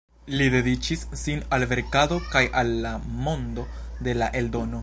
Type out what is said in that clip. Li dediĉis sin al la verkado kaj al la mondo de la eldono.